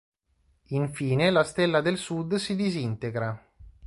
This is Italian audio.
Infine la Stella del Sud si disintegra.